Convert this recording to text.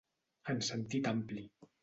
En sentit ampli.